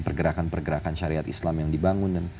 pergerakan pergerakan syariat islam yang dibangun dan